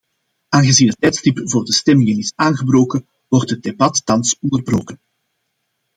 Aangezien het tijdstip voor de stemmingen is aangebroken wordt het debat thans onderbroken.